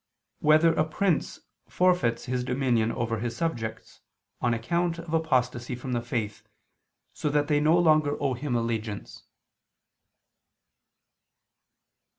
2] Whether a Prince Forfeits His Dominion Over His Subjects, on Account of Apostasy from the Faith, So That They No Longer Owe Him Allegiance?